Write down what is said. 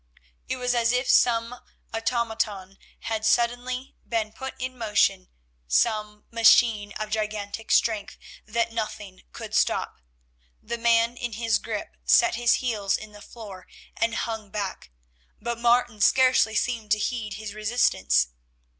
It was as if some automaton had suddenly been put in motion, some machine of gigantic strength that nothing could stop. The man in his grip set his heels in the floor and hung back, but Martin scarcely seemed to heed his resistance.